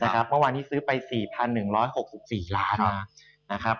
ใช่ครับเมื่อวานที่ซื้อไป๔๑๖๔ล้านนะครับ